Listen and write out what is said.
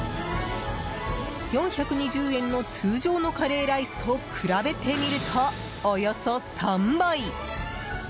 ４２０円の通常のカレーライスと比べてみるとおよそ３倍！